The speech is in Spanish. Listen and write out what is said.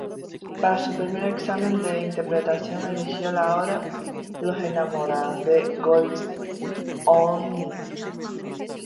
Para su primer examen de interpretación eligió la obra "Los enamorados" de Goldoni.